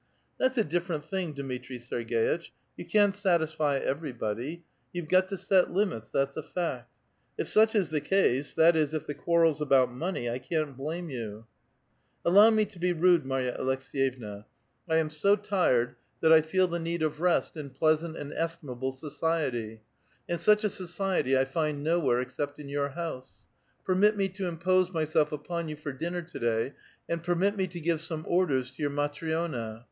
"That's a different thing, Dmitri Serg^itch. You can't satisfy everybody ; you've got to set limits, that's a fact. If such is the case, that is, if the quarrel's about money, I can't blame you." "Allow me to be rude, Marya Alekseyevna; I am so 112 A VITAL QUESTION. tired that I feel the need of rest in pleasant and estimable society, uiul biK li a society 1 tind nowhere except in your house, rerniit nie to iiiiix)8e myself upon you for dinner to diiy, and permit me to give some oixiers to your Matri6na.